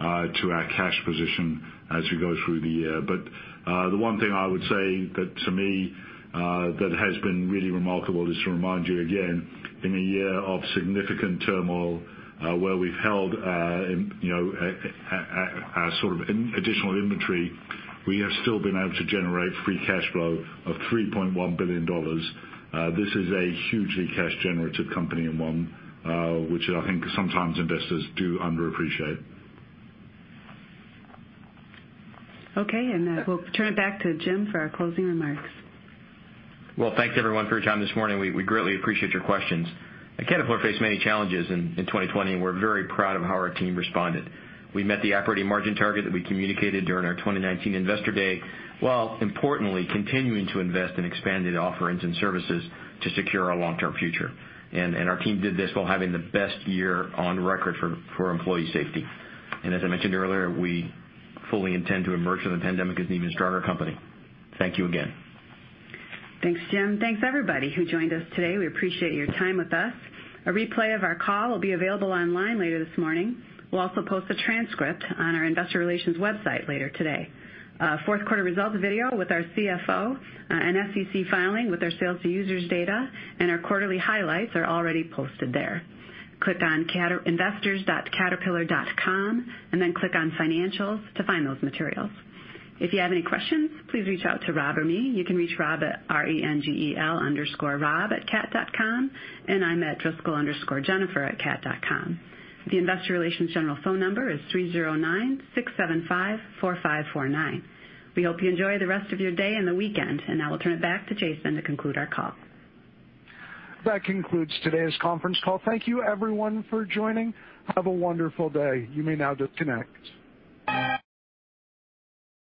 to our cash position as we go through the year. The one thing I would say that to me that has been really remarkable is to remind you again, in a year of significant turmoil where we've held our sort of additional inventory, we have still been able to generate free cash flow of $3.1 billion. This is a hugely cash generative company and one which I think sometimes investors do underappreciate. Okay, we'll turn it back to Jim for our closing remarks. Well, thanks everyone for your time this morning. We greatly appreciate your questions. Caterpillar faced many challenges in 2020, and we're very proud of how our team responded. We met the operating margin target that we communicated during our 2019 Investor Day, while importantly continuing to invest in expanded offerings and services to secure our long-term future. Our team did this while having the best year on record for employee safety. As I mentioned earlier, we fully intend to emerge from the pandemic as an even stronger company. Thank you again. Thanks, Jim. Thanks everybody who joined us today. We appreciate your time with us. A replay of our call will be available online later this morning. We'll also post a transcript on our investor relations website later today. A fourth quarter results video with our CFO and SEC filing with our Sales to Users data and our quarterly highlights are already posted there. Click on investors.caterpillar.com, and then click on Financials to find those materials. If you have any questions, please reach out to Rob or me. You can reach Rob at rengel_rob@cat.com, and I'm at driscoll_jennifer@cat.com. The investor relations general phone number is 309-675-4549. We hope you enjoy the rest of your day and the weekend, and now I'll turn it back to Jason to conclude our call. That concludes today's conference call. Thank you everyone for joining. Have a wonderful day. You may now disconnect.